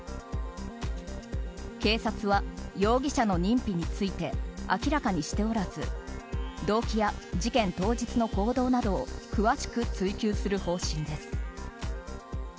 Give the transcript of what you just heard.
警察は容疑者の認否について明らかにしておらず動機や事件当日の行動などを詳しく追及する方針です。